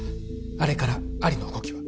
あれからアリの動きは？